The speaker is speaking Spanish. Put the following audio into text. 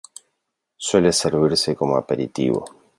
Suele servirse como aperitivo.